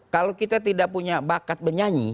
kalau kita tidak punya bakat menyanyi